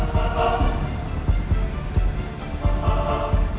kamu juga harusnya tahu bahwa